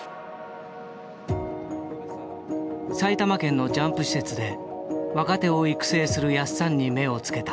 埼玉県のジャンプ施設で若手を育成するやっさんに目をつけた。